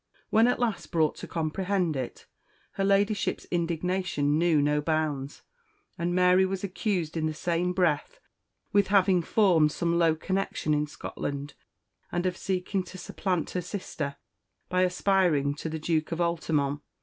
When at last brought to comprehend it, her Ladyship's indignation knew no bounds; and Mary was accused in the same breath with having formed some low connection in Scotland, and of seeking to supplant her sister by aspiring to the Duke of Altamont.